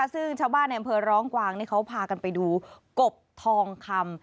ซึ่งชาวบ้านในอำเภอร้องกวางเขาพากันไปดูกบทองคำ